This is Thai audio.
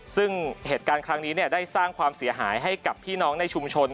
ซึ่งเหตุการณ์ครั้งนี้ได้สร้างความเสียหายให้กับพี่น้องในชุมชน